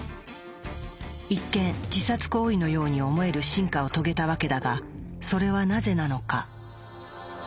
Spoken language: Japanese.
一見自殺行為のように思える進化を遂げたわけだがそれはなぜなのか。